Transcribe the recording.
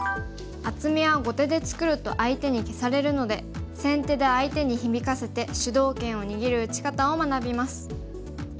厚みは後手で作ると相手に消されるので先手で相手に響かせて主導権を握る打ち方を学びます。